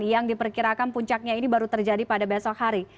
yang diperkirakan puncaknya ini baru terjadi pada besok hari